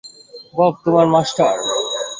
Bob তোমার master.